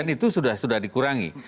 dan itu sudah dikurangi